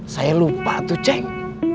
saya lupa tuh ceng